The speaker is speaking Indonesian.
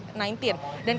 dan kapasitas tempat wisata